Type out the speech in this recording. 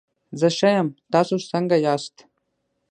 زه ښه یم، تاسو څنګه ياست؟